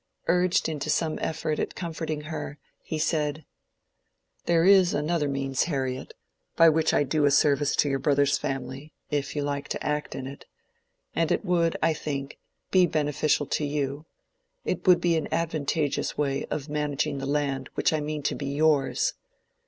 Urged into some effort at comforting her, he said— "There is another means, Harriet, by which I might do a service to your brother's family, if you like to act in it. And it would, I think, be beneficial to you: it would be an advantageous way of managing the land which I mean to be yours."